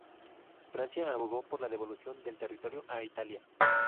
Francia abogó por la devolución del territorio a Italia.